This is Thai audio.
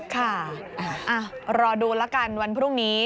ค่ะรอดูแล้วกันวันพรุ่งนี้